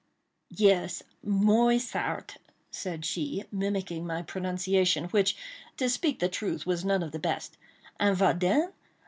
"Yes, Moissart," said she, mimicking my pronunciation, which, to speak the truth, was none of the best,—"and vat den?